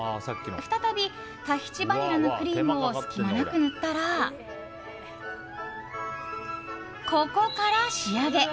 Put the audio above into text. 再び、タヒチバニラのクリームを隙間なく塗ったらここから仕上げ。